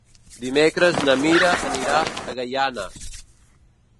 Dimecres na Mira anirà a Gaianes.